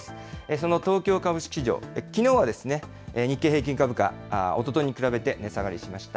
その東京株式市場、きのうは日経平均株価、おとといに比べて値下がりしました。